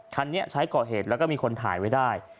คันนี้ใช้ก่อเหตุแล้วก็มีคนถ่ายไว้ได้